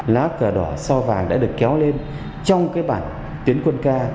lá cờ đỏ sao vàng đã được kéo lên trong cái bản tiến quân ca